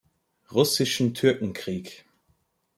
Russischen Türkenkrieg.